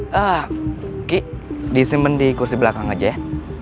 gigi disimpen di kursi belakang aja ya